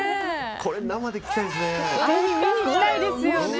これ、生で聞きたいですね。